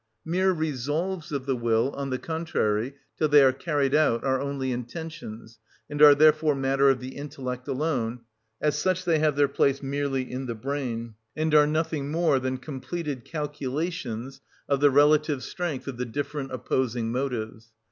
Mere resolves of the will, on the contrary, till they are carried out, are only intentions, and are therefore matter of the intellect alone; as such they have their place merely in the brain, and are nothing more than completed calculations of the relative strength of the different opposing motives.